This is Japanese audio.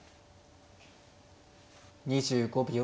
２５秒。